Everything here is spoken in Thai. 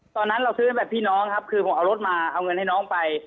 ตอนนั้นเราซื้อให้แบบพี่น้องครับคือผมเอารถมาเอาเงินให้น้องไป